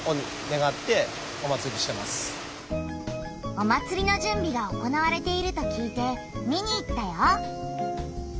お祭りのじゅんびが行われていると聞いて見に行ったよ。